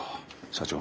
社長